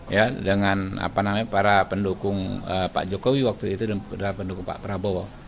ya dengan para pendukung pak jokowi waktu itu dan pendukung pak prabowo